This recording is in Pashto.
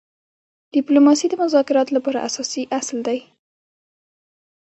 ډيپلوماسي د مذاکراتو لپاره اساسي اصل دی.